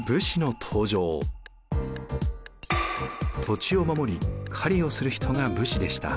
土地を守り狩りをする人が武士でした。